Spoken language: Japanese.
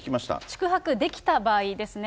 宿泊できた場合ですね。